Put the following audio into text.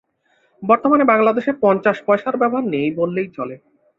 বর্তমানে বাংলাদেশে পঞ্চাশ পয়সার ব্যবহার নেই বললেই চলে।